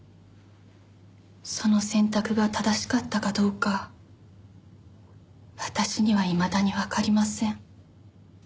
その選択が正しかったかどうか私にはいまだにわかりません。